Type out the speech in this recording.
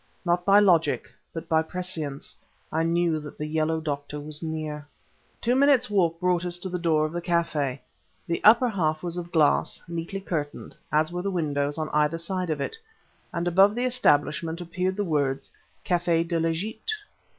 Not by logic, but by prescience, I knew that the Yellow doctor was near. Two minutes walk brought us to the door of the café. The upper half was of glass, neatly curtained, as were the windows on either side of it; and above the establishment appeared the words: "Café de l'Egypte."